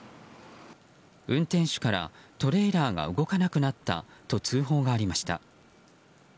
運転手からトレーラーが動かなくなったと通報がありました。